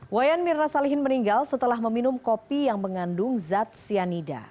wayan mirna salihin meninggal setelah meminum kopi yang mengandung zat cyanida